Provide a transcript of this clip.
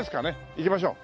行きましょう。